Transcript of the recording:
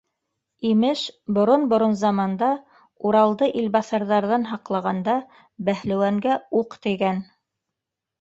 Имеш, борон-борон заманда, Уралды илбаҫарҙарҙан һаҡлағанда, бәһлеүәнгә уҡ тейгән.